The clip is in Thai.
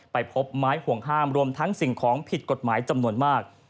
พบไม้ห่วงห้ามรวมทั้งสิ่งของผิดกฎหมายจำนวนมาก